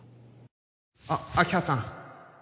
あっ明葉さん